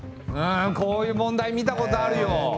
こういう問題見たことあるよ。